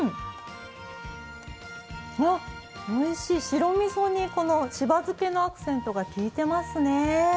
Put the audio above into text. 白みそにこのしば漬けのアクセントが利いてますね。